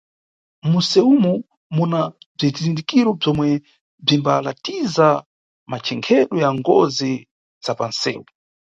Munʼsewumo muna bzizindikiro bzomwe bzimbalatiza machenkhedwe ya ngozi za panʼsewu.